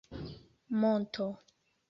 monto